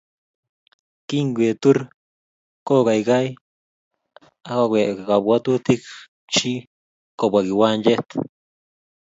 Kingetur kokaikai akowek kabwatutikchi kobwa kiwanjet